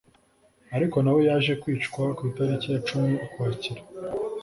ariko na we yaje kwicwa ku itariki ya cumi ukwakira